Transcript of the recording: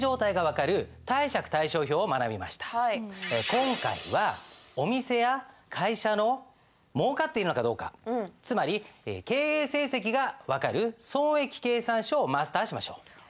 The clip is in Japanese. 今回はお店や会社のもうかっているのかどうかつまり経営成績が分かる損益計算書をマスターしましょう。